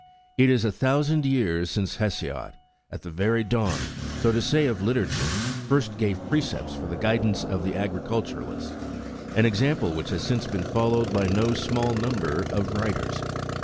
It is a thousand years ago since Hesiod,4 at the very dawn, so to say, of literature, first gave precepts for the guidance of the agriculturist, an example which has since been followed by no small number of writers.